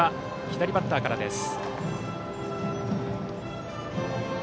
左バッターからです。